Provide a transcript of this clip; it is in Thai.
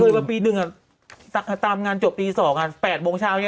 เดือนประปีหนึ่งตามงานจบตีสองแปดโมงเช้า